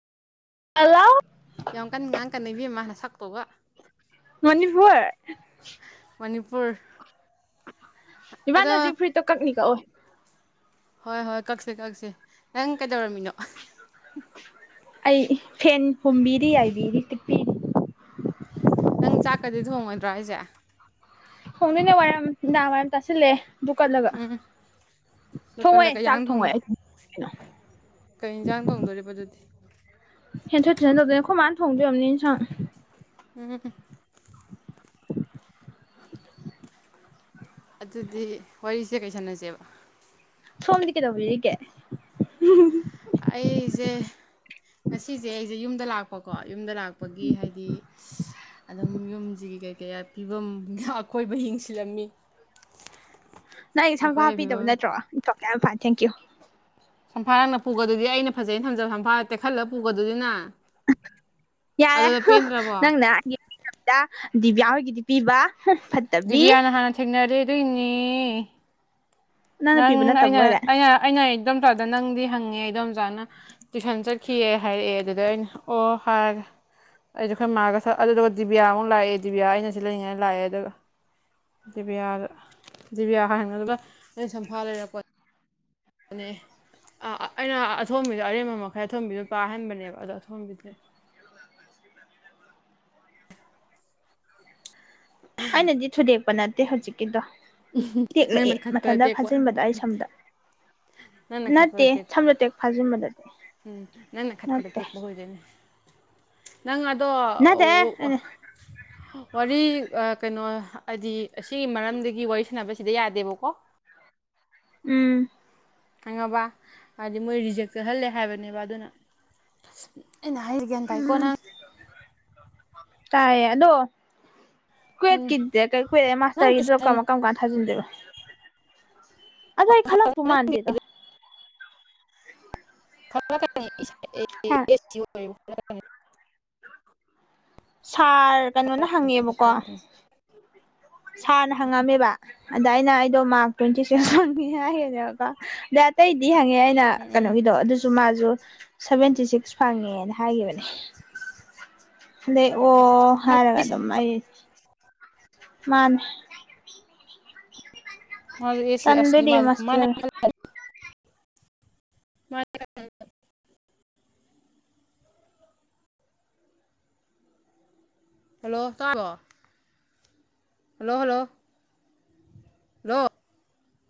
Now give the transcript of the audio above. ꯍꯜꯂꯥꯎ ꯌꯥꯝ ꯀꯟꯅ ꯉꯥꯡꯀꯅ‌ꫭ ꯏꯕ‌ꯦꯝꯃ ꯅꯁꯛ ꯇꯨꯒ ꯃꯅꯤꯄꯨꯔꯔ ꯃꯅꯤꯄꯨꯔ ꯏꯃꯥ ꯅꯪ ꯑꯗꯣ ꯍꯧꯖꯤꯛ ꯐꯨꯔꯤꯠꯇꯣ ꯀꯛꯅꯤ ꯀꯛꯑꯣꯏ ꯍꯣꯏ ꯍꯣꯏ ꯀꯛꯁꯦ ꯀꯛꯁꯦ ꯅꯪ ꯇꯧꯔꯝꯃꯤꯟꯅꯣ ꯑꯩ ꯐꯦꯟ ꯐꯨꯝꯕꯤꯔꯤ ꯌꯥꯏꯕꯤꯔꯤ ꯇꯤꯛꯄꯤꯔꯤ ꯅꯪ ꯆꯥꯛꯀꯗꯤ ꯊꯣꯡꯉꯣꯏꯗ꯭ꯔꯣ ꯑꯥꯏꯁꯦ ꯍꯨꯅꯅꯦ ꯋꯥꯔꯝ ꯅ ꯋꯥꯔꯝ ꯇ ꯑꯥꯁꯦ [unintelligible] ꯎꯝ ꯗꯨꯛ ꯀꯜꯂ ꯊꯣꯡꯉꯣꯏ ꯆꯥꯛ ꯀꯩꯌꯥꯡ ꯊꫭꯡ ꯊꯣꯡꯉꯣꯏ ꯑꯩ ꯀꯩꯅꯣ ꯀꯩ ꯌꯦꯟꯁꯥꯡ ꯊꯣꯡꯗꯣꯔꯤꯕ ꯑꯗꯨꯗꯤ ꯍꯦꯟꯊꯣꯛ ꯇꯨꯏꯁꯟ ꯂꫭꯏꯕꯩ ꯑꯈꫭꯏ ꯃꯥꯅ ꯊꯣꯡꯗꯣꯏꯑꫭꯔꯝꯅꯤ ꯏꯟꯁꯥꯡ ꯎꯝ ꯑꯗꯨꯗꯤ ꯋꯥꯔꯤꯁꯦ ꯀꯩ ꯁꯥꯟꯅꯁꯦꯕ ꯁꯣꯝꯗꯤ ꯀꯩꯗꯧꯕꯤꯔꯤꯒ‌ꯦ ꯑꯩꯖ‌ꯦ ꯉꯁꯤꯖ‌ꯦ ꯑꯩꯖ‌ꯦ ꯌꯨꯝꯗ ꯂꯥꯛꯄꯀꯣ ꯌꯨꯝꯗ ꯂꯥꯛꯄꯒꯤ ꯍꯥꯏꯗꯤ ꯑꯗꯨꯝ ꯌꯨꯝꯖꯤꯒꯤ ꯀꯩ ꯀꯩ ꯐꯤꯕꯝ ꯑꯀꯣꯏꯕ ꯌꯦꯡꯁꯤꯜꯂꯝꯃꯤ ꯅꯪ ꯑꯩ ꯁꯝꯐꯥ ꯑꯀꯣꯏꯕ ꯍꯥꯞꯄꯤꯗꯕ ꯐꯤꯕꯝ ꯅꯠꯇ꯭ꯔꯣ ꯏꯣ ꯀ ꯌꯥꯝ ꯐ ꯊꯦꯡꯀ꯭ꯌꯨ [unintelligible] ꯁꯝꯐꯥ ꯅꯪꯅꯥ ꯄꯨꯒꯗꯨꯗꯤ ꯑꯩꯅ ꯐꯖꯩꯩꯅ ꯊꯝꯖꯕ ꯁꯝꯐꯥꯔ ꯇꯦꯛꯍꯟꯂ ꯄꯨꯒꯗꯨꯗꯤꯅ ꯌꯥꯔꯦ ꯍꯨꯡ ꯄꯦꯟꯗ꯭ꯔꯕꯣ ꯅꯪꯅꯛ ꯗꯤꯕꯤꯌꯥ ꯍꯣꯏꯒꯤꯗꯤ ꯄꯤꯕ ꯍꯨꯝ ꯐꯠꯇꯕꯤ ꯗꯤꯕꯤꯌꯥꯅ ꯍꯥꯟꯅ ꯊꯦꯡꯅꯔ‌ꯦ ꯑꯗꯨꯏꯅ‌ꯦ ꯅꯪꯅ ꯅꯪ ꯄꯤꯕ ꯅꯠꯇꯕ ꯑꯩꯅ ꯑꯣꯏꯔꯦ ꯑꯩꯅ ꯑꯩꯅ ꯏꯗꯣꯝꯆꯥꯗ ꯅꯪꯗꯤ ꯍꯪꯉꯦ ꯏꯗꯣꯝꯆꯥꯅ ꯇꯨꯏꯁꯟ ꯆꯠꯈꯤꯑꯦ ꯍꯥꯏꯔꯛꯑꯦ ꯑꯗꯨꯗ ꯑꯩꯅ ꯑꯣ ꯍꯥꯏꯔꯦ ꯑꯩꯁꯨꯣ ꯑꯩꯈꯣꯏ ꯃꯥꯒ ꯁ ꯑꯗꯨꯗꯨꯒ ꯗꯤꯕꯤꯌꯥꯃꯨꯛ ꯂꯥꯛꯑꯦ ꯗꯤꯕꯤꯌꯥ ꯑꯩꯅ ꯁꯤ ꯂꯩꯅꯤꯡꯉꯥꯏ ꯂꯥꯛꯑꯦ ꯑꯗꯨꯒ ꯗꯤꯌꯥ ꯗꯤꯕꯤꯌꯥ ꯍꯥꯏꯗꯨꯒ ꯑꯩ ꯁꯝꯐꯥ ꯂꯩꯔꯛꯄ ꯅꯦ ꯑꯩꯅ ꯑꯊꯣꯝꯕꯤꯗꯣ ꯑꯔꯦꯝꯕ ꯃꯈꯩ ꯑꯊꯣꯝꯕꯤꯗꯨꯣ ꯄꯥꯍꯟꯕꯅꯦꯕ ꯑꯗꯣ ꯑꯊꯣꯝꯕꯤꯗꯨꯅꯦ ꯑꯅꯗꯤꯊꯨꯗꯦ ꯄꯅꯥ ꯑ ꯍꯧꯖꯤꯛꯩꯗ ꯇꯦꯛꯂꯛꯑꯦ ꯅꯪꯅ ꯈꯠꯄꯗ ꯃꯊꯟꯇ ꯇꯦꯛꯄ ꯐꯥꯖꯤꯟꯕꯗ ꯑꯩ ꯁꯝꯗ ꯅꯪꯅ ꯅꯠꯇꯦ ꯈꯠꯄꯗ ꯇꯦꯛꯄ ꯁꯝꯗꯣ ꯇꯦꯛ ꯐꯥꯖꯤꯟꯕꯗ ꯎꯝ ꯅꯅꯦ ꯈꯠꯄꯇ ꯇꯦꯛꯄ ꯑꯣꯏꯗꯅꯦ ꯅꯪ ꯑꯗꯣ ꯅꯠꯇꯦ ꯋꯥꯔꯤ ꯀꯩꯅꯣ ꯍꯥꯏꯗꯤ ꯑꯁꯤꯒꯤ ꯃꯔꯝꯗꯒꯤ ꯋꯥꯔꯤ ꯁꯥꯟꯅꯕꯁꯤꯗ ꯌꯥꯗꯦꯕꯀꯣ ꯎꯝ ꯈꯪꯉꯕ ꯍꯥꯏꯗꯤ ꯃꯣꯏ ꯔꯤꯖꯦꯛ ꯆꯠꯍꯜꯂꯦ ꯍꯥꯏꯕꯅꯦꯕ ꯑꯗꯨꯅ ꯑꯦ ꯅ ꯍꯥꯏꯒꯦ ꯎꯝ ꯇꯥꯏꯀꯣꯅꯪ ꯇꯥꯏꯌꯦ ꯑꯗꯣ ꯎꯝ ꯀꯨꯋꯠꯀꯤꯗꯦ ꯀꯩ ꯀꯨꯦ ꯅꯪ ꯃꯥꯁꯇꯔꯒꯤꯗ ꯀꯔ ꯇꯨꯏꯁꯟ ꯀꯝ ꯀꯥꯟ ꯊꯥꯖꯤꯟꯗꯦ ꯑꯗꯨ ꯑꯩ ꯈꯜꯂꯄꯨ ꯃꯥꯟꯗꯦꯗꯣ ꯈꯔ ꯀ ꯑꯦ ꯑꯣꯏꯕ ꯑꯣꯝ ꯁꯥꯔ ꯀꯩꯅꯣꯅ ꯍꯪꯉꯦꯕꯀꯣ ꯁꯥꯔꯅ ꯍꯪꯉꯝꯃꯦꯕ ꯑꯗꯥꯏꯅ ꯍꯥꯏꯗꯣ ꯃꯥ ꯄꯨꯦ ꯁꯦꯁ ꯃꯤ ꯍꯥꯏ ꯂ ꯇ ꯗꯤ ꯍꯪꯉꯦ ꯑꯩꯅ ꯎꯝ ꯎꯝ ꯀꯩꯅꯣꯒꯤꯗꯣ ꯑꯗꯨꯁꯨ ꯃꯥꯁꯨ ꯁꯚꯦꯟꯇꯤ ꯁꯤꯛꯁ ꯐꯪꯉꯦꯅ ꯍꯥꯏꯈꯤꯕꯅꯦ ꯑꯗꯦ ꯑꯣ ꯍꯔꯒ ꯃꯥꯁꯨ ꯑꯗꯨꯃ ꯃꯥ ꯃꯥ ꯑꯦꯁꯤ ꯑꯂꯤ ꯇꯟꯗꯨꯗꯤ ꯃꯥ ꯃꯥꯅꯥ ꯃꯁꯇꯔ ꯍꯜꯂꯣ ꯀꯣ ꯍꯜꯂꯣ ꯍꯜꯂꯣ ꯅꯣ